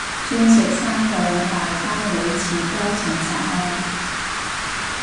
鑽石山又有大刀會持刀情殺案？